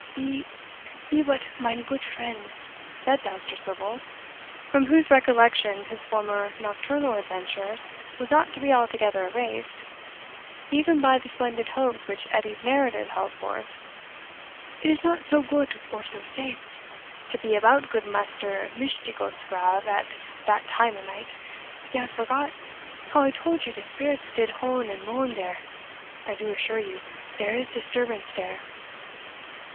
"Be be but, mine goot friend," said Dousterswivel, from whose recollection his former nocturnal adventure was not to be altogether erased, even by the splendid hopes which Edie's narrative held forth, "it is not so goot or so safe, to be about goot Maister Mishdigoat's grabe at dat time of night you have forgot how I told you de spirits did hone and mone dere. I do assure you, dere is disturbance dere."